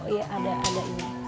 iya ada ada ini